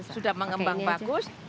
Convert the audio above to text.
sudah mengembang bagus